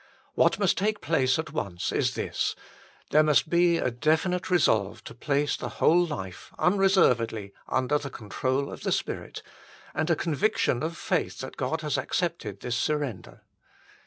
What must take place at once is this : there must be a definite resolve to place the whole life unreservedly under the control of the Spirit, and a conviction of faith that God has accepted this surrender.